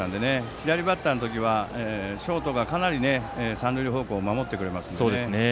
左バッターの時はショートが、かなり三塁方向を守ってくれますので。